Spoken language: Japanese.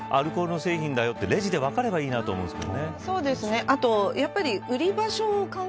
アルコールの製品だよってレジで分かればいいと思うんですけどね。